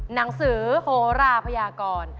หนังสือโหราพยากร